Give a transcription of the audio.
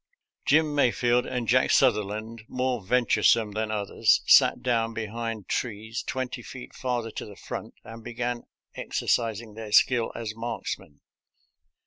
Jim Mayfleld and Jack Suther land, more venturesome than others, sat down behind trees twenty feet farther to the front and began exercising their skill as marksmen.